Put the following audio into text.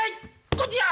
こっちや！